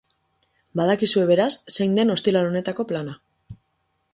Badakizue, beraz, zein den ostiral honetako plana.